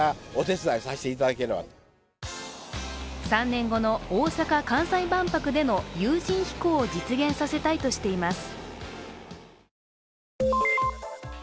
３年後の大阪・関西万博での有人飛行を実現させたいとしています。